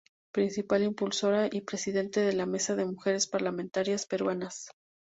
Principal impulsora y presidente de la Mesa de Mujeres Parlamentarias Peruanas.